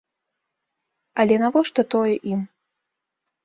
Але навошта тое ім?